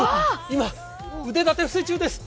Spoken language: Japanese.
今、腕立て伏せ中です。